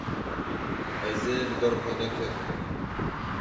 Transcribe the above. Ez ê li ber xwe nekevim.